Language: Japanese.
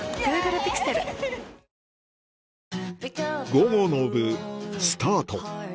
午後の部スタート